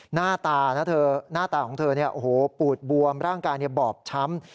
หน้าตาของเธอปูดบวมร่างกายบอบช้ำ